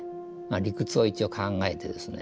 理屈を一応考えてですね